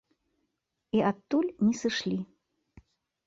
І адтуль не сышлі.